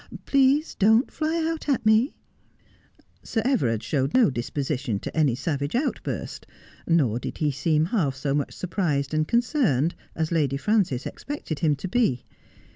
Please don't fly out at me !' Sir Everard showed no disposition to any savage outburst, nor did he seem half so much surprised and concerned as Lady Frances expected him to be.